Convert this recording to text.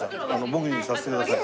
僕にさせてください。